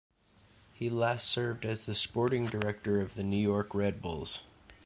He last served as the sporting director of the New York Red Bulls.